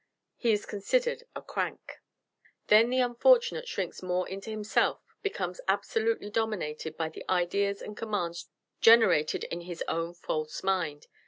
He is considered a 'crank.' "Then the unfortunate shrinks more into himself, becomes absolutely dominated by the ideas and commands generated in his own false mind.